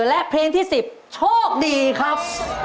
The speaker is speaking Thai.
และเพลงที่๑๐โชคดีครับ